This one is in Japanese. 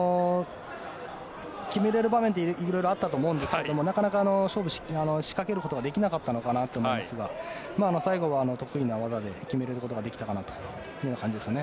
決めれる場面って色々あったと思うんですがなかなか仕掛けることができなかったのかなと思いますが最後は得意な技で決めることができた感じですね。